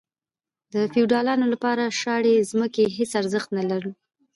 د فیوډالانو لپاره شاړې ځمکې هیڅ ارزښت نه درلود.